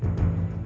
tapi udah lagi kan